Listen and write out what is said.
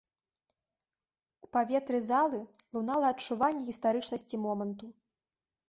У паветры залы лунала адчуванне гістарычнасці моманту.